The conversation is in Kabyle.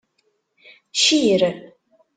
Cir.